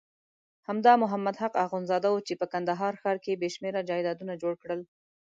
همدا محمد حق اخندزاده وو چې په کندهار ښار کې بېشمېره جایدادونه جوړ کړل.